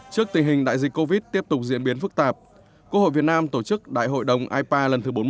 trước tình hình đại dịch covid tiếp tục diễn biến phức tạp quốc hội việt nam tổ chức đại hội đồng ipa lần thứ bốn mươi